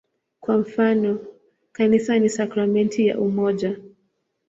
Kwa mfano, "Kanisa ni sakramenti ya umoja".